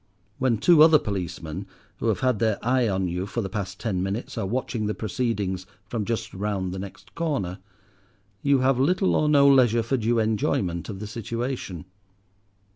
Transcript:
When two other policemen, who have had their eye on you for the past ten minutes, are watching the proceedings from just round the next corner, you have little or no leisure for due enjoyment of the situation.